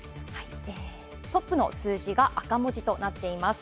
トップの数字が赤文字となっています。